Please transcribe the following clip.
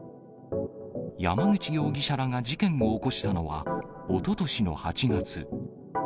山口容疑者らが事件を起こしたのは、おととしの８月。